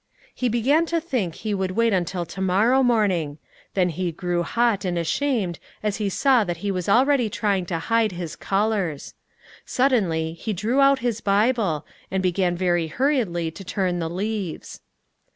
He began to think he would wait until tomorrow morning; then he grew hot and ashamed as he saw that he was already trying to hide his colours. Suddenly he drew out his Bible, and began very hurriedly to turn the leaves.